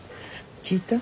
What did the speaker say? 聞いた？